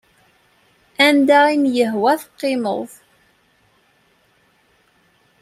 Anda i m-yehwa teqqimeḍ.